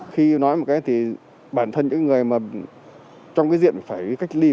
khi nói một cái thì bản thân những người mà trong cái diện phải cách ly